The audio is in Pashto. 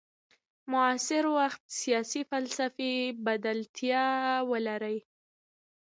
معاصر وخت سیاسي فلسفې بلدتیا ولري.